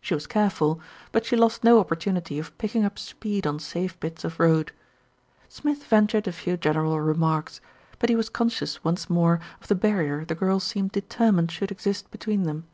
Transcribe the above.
She was careful; but she lost no opportunity of picking up speed on safe bits of road. Smith ventured a few general remarks; but he was conscious once more of the barrier the girl seemed de termined should exist between them.